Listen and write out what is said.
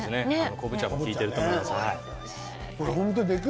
昆布茶も利いていると思います。